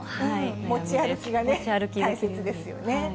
持ち歩きがね、大切ですよね。